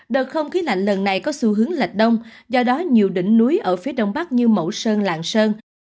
đợt không khí lạnh lần này có xu hướng lệch đông do đó nhiều đỉnh núi ở phía đông bắc như mẫu sơn lạng sơn